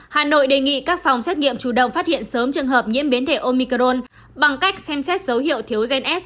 hà nội đề nghị các phòng xét nghiệm chủ động phát hiện sớm trường hợp nhiễm biến thể omicron bằng cách xem xét dấu hiệu thiếu gen s